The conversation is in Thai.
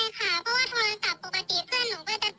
เพื่อนหนูก็จะติดอยู่ค่ะ